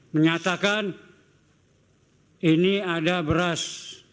menyatakan ini ada beras